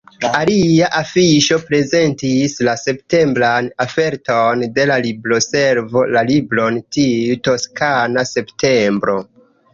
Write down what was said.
Alia afiŝo prezentis la septembran oferton de la Libroservo, la libron Tiu toskana septembro.